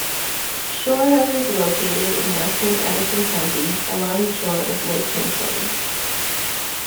Shoreham is located in western Addison County along the shore of Lake Champlain.